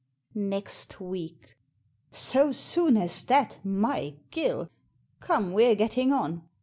" Next week." " So soon as that, my Gill ! Come, we're getting on.